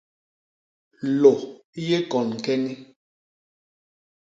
Lô i yé kon ñkeñi.